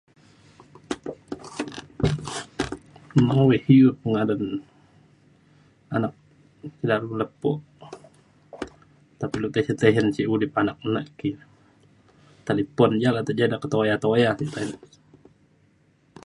[unintelligible] ngadan anak dalem lepo tapi lu tisen tisen sik udip anak nak ki talipon ja le ke te ke tuya tuya ta’en